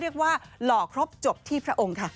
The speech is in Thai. เรียกว่าหลอกรบจบที่พระองค์ค่ะ